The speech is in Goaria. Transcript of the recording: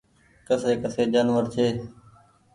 ڪسي ڪسي جآنور ڇي۔